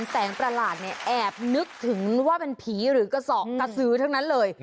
ประหลาดเนี่ยแอบนึกถึงว่าเป็นผีหรือกระสอบกระสือทั้งนั้นเลย